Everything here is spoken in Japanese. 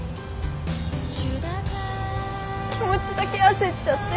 気持ちだけ焦っちゃって。